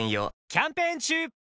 キャンペーン中！